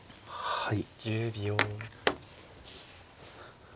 はい。